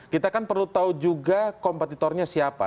kita kan perlu tahu juga kompetitornya siapa